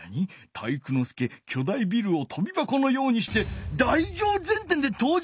「体育ノ介巨大ビルをとびばこのようにして台上前転で登場」？